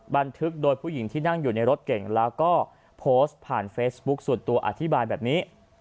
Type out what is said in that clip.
บันทึกโดยผู้หญิงที่นั่งอยู่ในรถเก่งแล้วก็โพสต์ผ่านเฟซบุ๊คส่วนตัวอธิบายแบบนี้